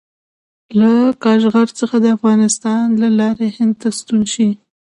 له کاشغر څخه د افغانستان له لارې هند ته ستون شي.